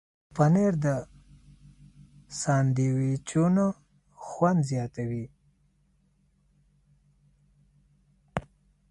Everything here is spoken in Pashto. پنېر د ساندویچونو خوند زیاتوي.